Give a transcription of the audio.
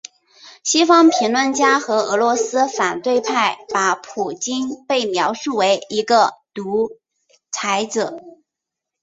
西方评论家和俄罗斯反对派把普京被描述为一个独裁者。